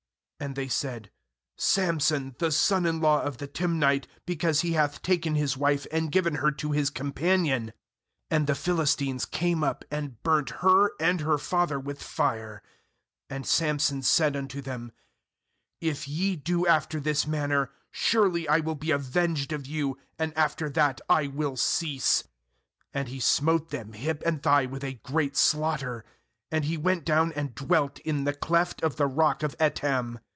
And they said: 'Samson, the son in law of the Timnite, because he hath taken his wife, and given her to his companion.' And the Philistines came up, and burnt her and her father with fire. 7And Samson said unto them: 'If ye do after this manner, surely I will be avenged of you, and after that I will cease.' 8And he smote them hip and thigh with a great slaughter; and he went down and dwelt in the cleft of the rock of Etam.